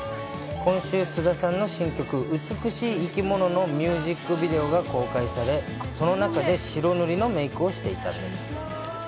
今週、菅田さんの新曲、美しい生き物のミュージックビデオが公開され、その中で白塗りのメークをしていたんです。